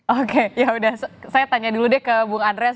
oke ya udah saya tanya dulu deh ke bung andreas